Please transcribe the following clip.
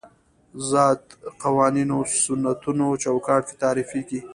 ذات قوانینو سنتونو چوکاټ کې تعریفېږي.